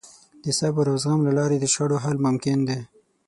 د صبر او زغم له لارې د شخړو حل ممکن دی.